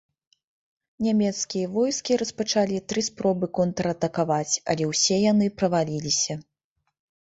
Нямецкія войскі распачалі тры спробы контратакаваць, але ўсе яны праваліліся.